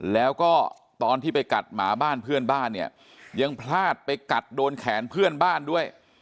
แล้วก็ตอนที่ไปกัดหมาบ้านเพื่อนบ้านเนี่ยยังพลาดไปกัดโดนแขนเพื่อนบ้านด้วย